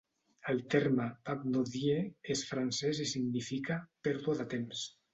El terme "Baguenaudier" és francès i significa "pèrdua de temps".